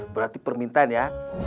berarti permintaan ya